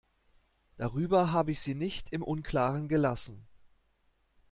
Darüber habe ich sie nicht im Unklaren gelassen.